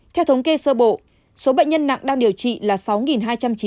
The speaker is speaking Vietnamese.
hai theo thống kê sơ bộ số bệnh nhân nặng đang điều trị là sáu hai trăm chín mươi một ca